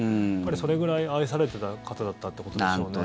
それぐらい愛されてた方だったってことでしょうね。